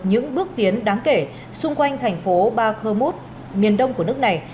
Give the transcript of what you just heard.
những bước tiến đáng kể xung quanh thành phố barkhamuz miền đông của nước này